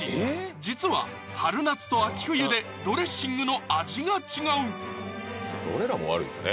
実は春夏と秋冬でドレッシングの味が違う俺らも悪いですね